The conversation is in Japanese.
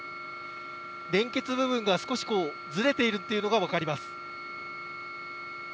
連結部分が少しずれているというのが分かります。